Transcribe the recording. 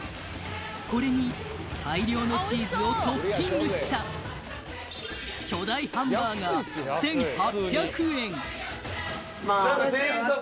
これに大量のチーズをトッピングした巨大ハンバーガー店員さん